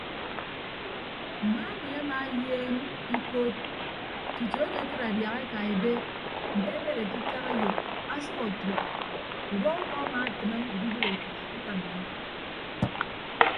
Mma emi ama ayeem ikod tutu ekekịd adiaha eka ebe nte ebere ke itak eyop ọsʌk atua udọ udọ ama atịme edibәk eka ikanna.